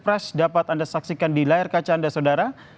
pemilu dua ribu dua puluh empat dapat anda saksikan di layar kaca anda saudara